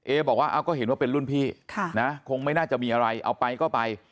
บอกว่าก็เห็นว่าเป็นรุ่นพี่นะคงไม่น่าจะมีอะไรเอาไปก็ไป